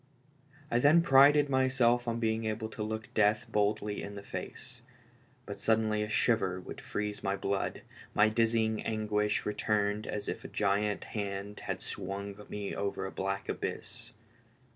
I then prided myself on being able to look death boldly in the face; but suddenly a shiver would freeze my blood, my dizzy anguish returned as if a giant hand had swung me over a black abyss.